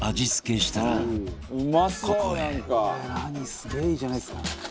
「すげえいいじゃないですか」